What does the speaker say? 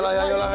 aduh aduh aduh